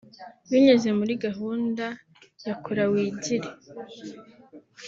Binyuze muri gahunda ya Kora Wigire